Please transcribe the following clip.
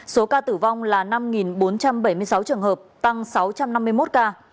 số ca tử vong là năm bốn trăm bảy mươi sáu trường hợp tăng sáu trăm năm mươi một ca